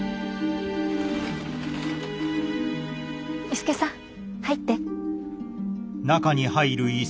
伊助さん入って。